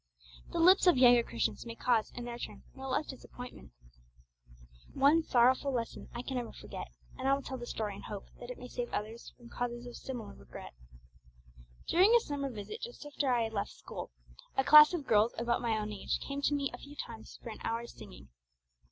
The lips of younger Christians may cause, in their turn, no less disappointment. One sorrowful lesson I can never forget; and I will tell the story in hope that it may save others from causes of similar regret. During a summer visit just after I had left school, a class of girls about my own age came to me a few times for an hour's singing.